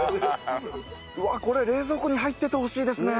うわこれ冷蔵庫に入っててほしいですね。